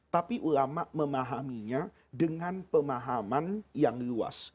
tapi ulama memahaminya dengan pemahaman yang luas